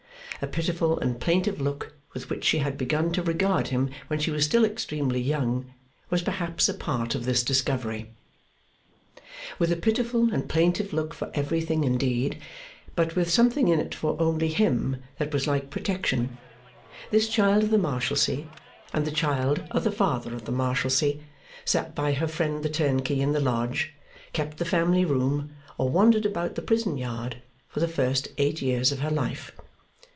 A pitiful and plaintive look, with which she had begun to regard him when she was still extremely young, was perhaps a part of this discovery. With a pitiful and plaintive look for everything, indeed, but with something in it for only him that was like protection, this Child of the Marshalsea and the child of the Father of the Marshalsea, sat by her friend the turnkey in the lodge, kept the family room, or wandered about the prison yard, for the first eight years of her life.